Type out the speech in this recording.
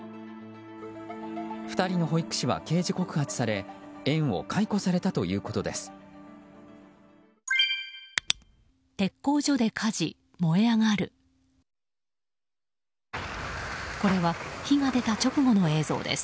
２人の保育士は刑事告発され園を解雇されたということです。